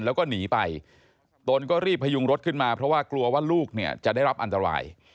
แล้วก็หนีไปตนก็รีบพยุงรถขึ้นมาเพราะว่ากลัวว่าลูกเนี่ยจะได้รับอันตราย